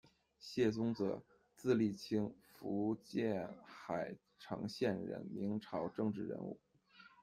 谢宗泽，字丽卿，福建海澄县人，明朝政治人物。